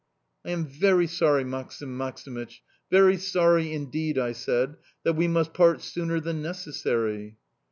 "I am very sorry, Maksim Maksimych, very sorry indeed," I said, "that we must part sooner than necessary."